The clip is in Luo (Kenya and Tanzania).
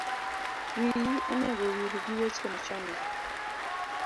Wiyi onego owil giweche machongo